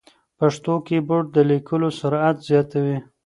پښتو کیبورډ د لیکلو سرعت زیاتوي.